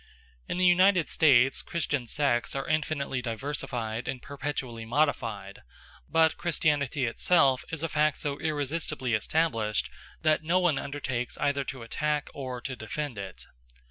In the United States Christian sects are infinitely diversified and perpetually modified; but Christianity itself is a fact so irresistibly established, that no one undertakes either to attack or to defend it.